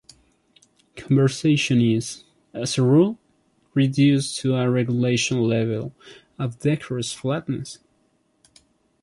Conversation is, as a rule, reduced to a regulation level of decorous flatness.